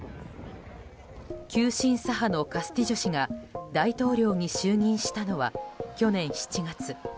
急進左派のカスティジョ氏が大統領に就任したのは去年７月。